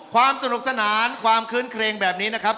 ความสนุกสนานความคื้นเครงแบบนี้นะครับ